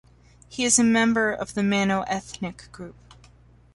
He is a member of the Mano ethnic group.